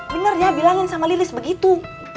bener ya bilangin sama lilis begitu